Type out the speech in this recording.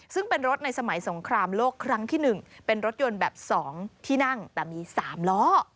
ซึ่งเป็นรถในสมัยสงครามโลกครั้งที่๑เป็นรถยนต์แบบ๒ที่นั่งแต่มี๓ล้อ